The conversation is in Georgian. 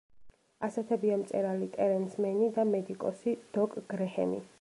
ასეთებია მწერალი ტერენს მენი და მედიკოსი დოკ გრეჰემი.